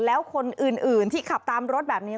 แล้วคนอื่นที่ขับตามรถแบบนี้